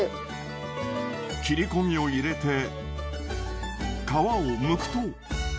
切り込みを入れて皮をむくと。